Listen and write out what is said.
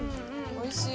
◆おいしい。